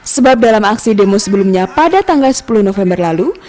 sebab dalam aksi demo sebelumnya pada tanggal sepuluh november lalu